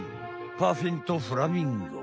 パフィンとフラミンゴ。